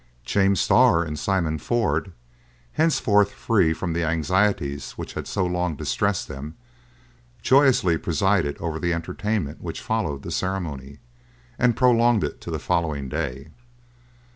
James Starr and Simon Ford, henceforth free from the anxieties which had so long distressed them, joyously presided over the entertainment which followed the ceremony, and prolonged it to the following day.